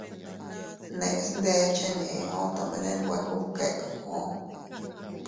Neʼes ndé cheneo tomene nwe kubkeo.